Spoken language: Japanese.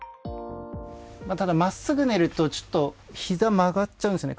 ただ真っすぐ寝るとちょっとひざが曲がっちゃうんですよね。